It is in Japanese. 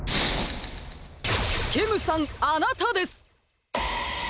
ケムさんあなたです！